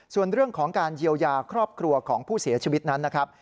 ส่วนเรื่องของการเยียวยาครอบครัวของผู้เสียชีวิตนั้นนะครับ